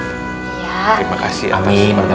terima kasih atas semua